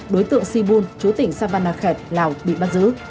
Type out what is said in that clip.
đối tượng sibun chú tỉnh savannakhet lào bị bắt giữ